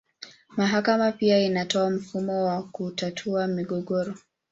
Mahakama pia inatoa mfumo wa kutatua migogoro.